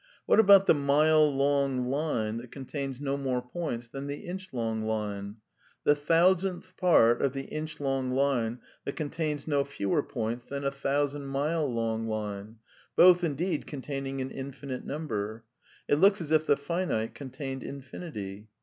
What about the mile long line that contains no more points than the inch long line? The thousandth part of the inch long line that contains no fewer points than a thousand mile long line? Both, indeed, contain ing an infinite number. It looks as if the finite contained infinity.